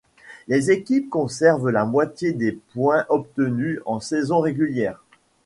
Les équipes conservent la moitié des points obtenus en saison régulière.